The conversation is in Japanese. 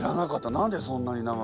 何でそんなに長く。